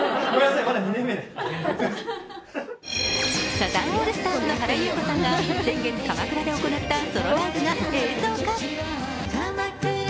サザンオールスターズの原由子さんが先月、鎌倉で行ったソロライブが映像化。